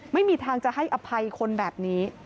ไม่มีทางจะให้อภัยคนแบบนี้